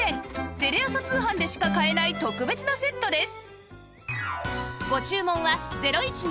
テレ朝通販でしか買えない特別なセットです！